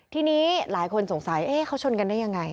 ทีนี้หลายคนสงสัยเขาชนกันได้ยังไง